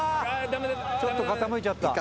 ちょっと傾いちゃった。